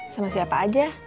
sama siapa aja